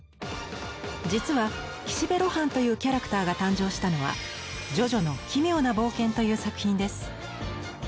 実は「岸辺露伴」というキャラクターが誕生したのは「ジョジョの奇妙な冒険」という作品です。